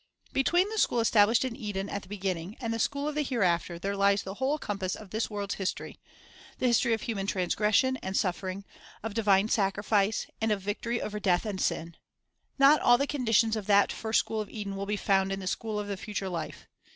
3 Between the school established in Eden at the begin ning and the school of the hereafter there lies the whole 'iCor. 2:9. Rev. 21 : 1, 2. 3 Rev. 21 : 23. (301) 302 The Higlier Coarse compass of this world's history, — the history of human transgression and suffering, of divine sacrifice, and of victory over death and sin. Not all the conditions of that first school of Eden will be found in the school conditions f t j ie future life.